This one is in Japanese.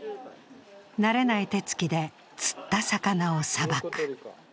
慣れない手つきで釣った魚をさばく。